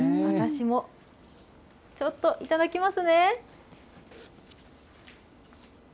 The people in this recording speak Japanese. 私もちょっと頂きますね。